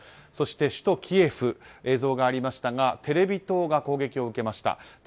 そして、首都キエフ映像がありましたがテレビ塔が攻撃を受けました。